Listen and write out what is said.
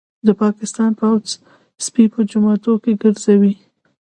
د پاکستان پوځ سپي په جوماتونو کي ګرځوي